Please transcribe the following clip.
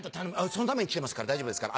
「そのために来てますから大丈夫ですから。